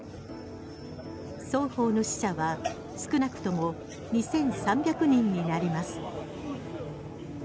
双方の死者は少なくとも２３００人になります。